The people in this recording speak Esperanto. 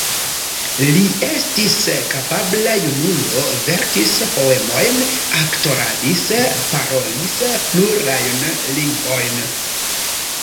Li estis kapabla junulo, verkis poemojn, aktoradis, parolis plurajn lingvojn.